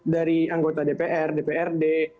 dari anggota dpr dprd